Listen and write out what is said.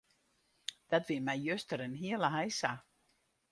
Dat wie my juster in hiele heisa.